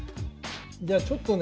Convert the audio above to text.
じゃあちょっとね